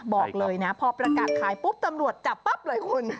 บอกเลยนะพอประกาศขายปุ๊บตำรวจจับปั๊บเลยคุณ